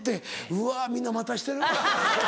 うわみんな待たしてるわ。